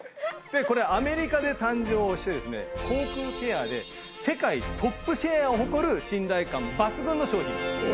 これアメリカで誕生してですね口腔ケアで世界トップシェアを誇る信頼感抜群の商品なんです。